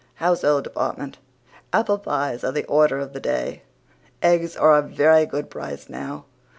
HOUSEHOLD DEPARTMENT Apple pies are the order of the day. Eggs are a very good price now.